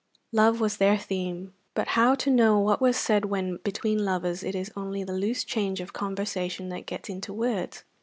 Love was their theme; but how to know what was said when between lovers it is only the loose change of conversation that gets into words?